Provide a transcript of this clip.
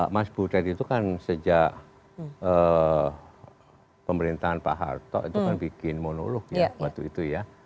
mas butet itu kan sejak pemerintahan pak harto itu kan bikin monolog ya waktu itu ya